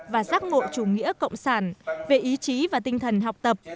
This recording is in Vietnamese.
và giác ngộ chủ nghĩa cộng sản về ý chí và tinh thần học tập